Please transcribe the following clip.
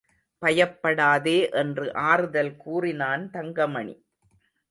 பயப்படாதே என்று ஆறுதல் கூறினான் தங்கமணி.